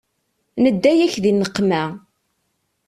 Nedda-yak di nneqma.